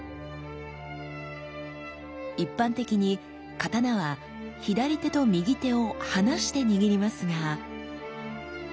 一般的に刀は左手と右手を離して握りますが。